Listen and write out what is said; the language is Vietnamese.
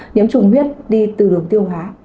nhiễm chủng huyết đi từ đường tiêu hóa